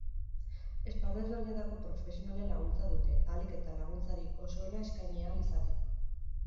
Esparru ezberdinetako profesionalen laguntza dute, ahalik eta laguntzarik osoena eskaini ahal izateko.